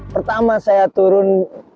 pertama saya turun